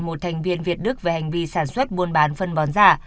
một thành viên việt đức về hành vi sản xuất buôn bán phân bón giả